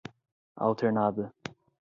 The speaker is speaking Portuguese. alternada